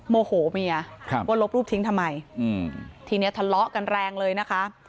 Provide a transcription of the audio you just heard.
โมโหเมียว่าลบรูปทิ้งทำไมทีนี้ทะเลาะกันแรงเลยนะคะ